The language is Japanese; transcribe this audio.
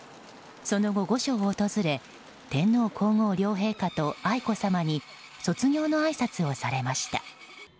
その後、御所を訪れ天皇・皇后両陛下と愛子さまに卒業のあいさつをされました。